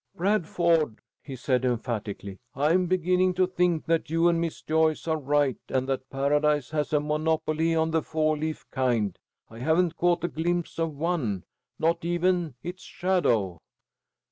"Bradford," he said, emphatically, "I am beginning to think that you and Miss Joyce are right, and that Paradise has a monopoly on the four leaf kind. I haven't caught a glimpse of one. Not even its shadow."